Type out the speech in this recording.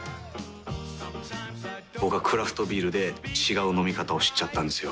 僕はクラフトビールで違う飲み方を知っちゃったんですよ。